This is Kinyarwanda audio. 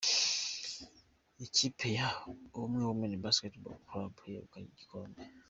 Ikipe ya Ubumwe Women Baskteball Club yegukanye igikombe.